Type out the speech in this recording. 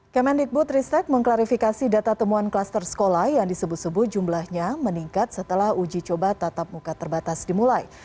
kemendikbud ristek mengklarifikasi data temuan klaster sekolah yang disebut sebut jumlahnya meningkat setelah uji coba tatap muka terbatas dimulai